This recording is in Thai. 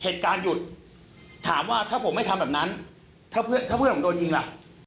ถ้าทำแบบนั้นถ้าเพื่อนผมโดนยิงล่ะ